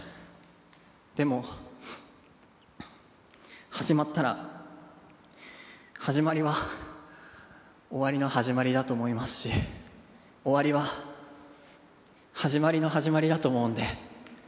でも始まったら始まりは終わりの始まりだと思いますし終わりは始まりの始まりだと思うんで。